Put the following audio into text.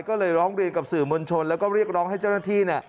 ก็เลยร้องเรียนกับสื่อมวลชนแล้วก็เรียกร้องให้เจ้าหน้าที่เนี่ย